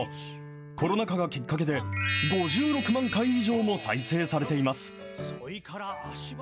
コロナ禍がきっかけで、５６万回以上も再生されています。